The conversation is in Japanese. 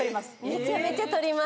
めちゃめちゃ撮ります。